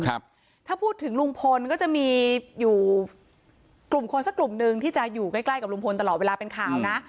ถ้าพูดถึงลุงพลก็จะมีอยู่กลุ่มคนสักกลุ่มหนึ่งที่จะอยู่ใกล้ใกล้กับลุงพลตลอดเวลาเป็นข่าวนะ